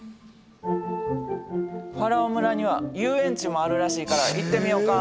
ファラオ村には遊園地もあるらしいから行ってみよか。